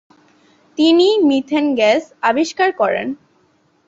তিনি methane gas আবিষ্কার করেন।